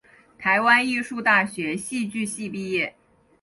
台湾艺术大学戏剧系毕业。